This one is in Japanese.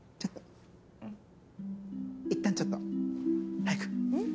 いったんちょっと。早く。